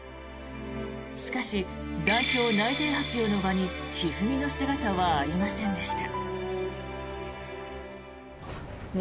しかし、代表内定発表の場に一二三の姿はありませんでした。